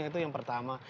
itu yang pertama